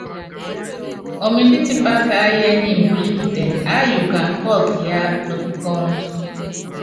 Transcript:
Ɔmindɛ́ tipá kaáyíɛ niimbúluikitɛnɛ, aáyukana kɔ́ɔkɔ yaa nɔpikɔ́ɔ^du.